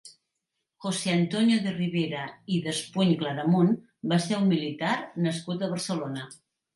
José Antonio de Ribera i de Espuny-Claramunt va ser un militar nascut a Barcelona.